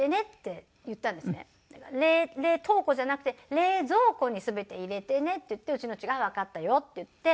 「冷凍庫じゃなくて冷蔵庫に全て入れてね」って言ってうちの父が「わかったよ」って言って。